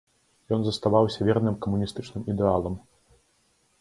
Ён заставаўся верным камуністычным ідэалам.